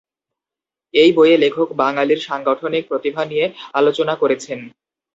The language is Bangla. এ বইয়ে লেখক বাঙালির সাংগঠনিক প্রতিভা নিয়ে আলোচনা করেছেন।